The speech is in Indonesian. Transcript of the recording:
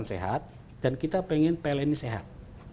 sehat dan kita pengen pln ini sehat